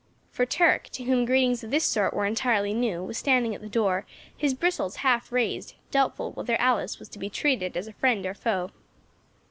For Turk, to whom greetings of this sort were entirely new, was standing at the door, his bristles half raised, doubtful whether Alice was to be treated as a friend or foe.